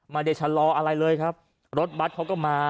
ไม่ได้ชะลออะไรเลยครับรถบัตรเขาก็มา